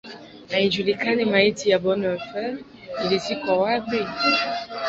Haijulikani maiti ya Bonhoeffer ilizikwa wapi.